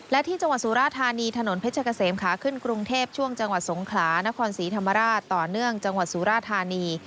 และที่จังหวัดสุราธานีถนนเพชรเกษมขาขึ้นกรุงเทพช่วงจังหวัดสงขลานครศรีธรรมราชต่อเนื่องจังหวัดสุราธานี